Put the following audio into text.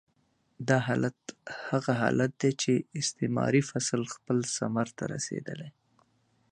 دا حالت هغه حالت دی چې استعماري فصل خپل ثمر ته رسېدلی.